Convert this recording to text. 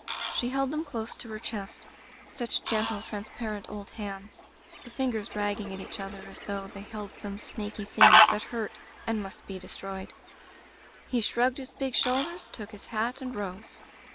She held them close to her chest — such gentle, transparent old hands — ^the fingers dragging at each other as though they held some snaky thing that hurt, and must be destroyed. Digitized by VjOOQ IC Interventions ''He shrugged his big shoulders, took his hat, and rose.